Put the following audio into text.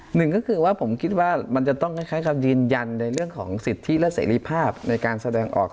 หนึ่งก็คือว่าผมคิดว่ามันจะต้องคล้ายคำยืนยันในเรื่องของสิทธิและเสรีภาพในการแสดงออก